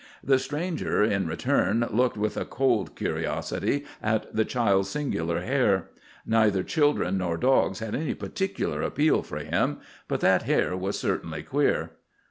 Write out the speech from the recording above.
The stranger in return looked with a cold curiosity at the child's singular hair. Neither children nor dogs had any particular appeal for him, but that hair was certainly queer.